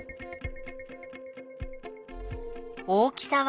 大きさは？